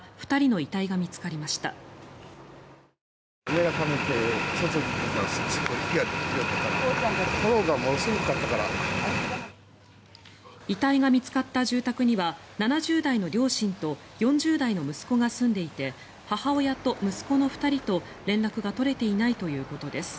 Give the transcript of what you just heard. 遺体が見つかった住宅には７０代の両親と４０代の息子が住んでいて母親と息子の２人と連絡が取れていないということです。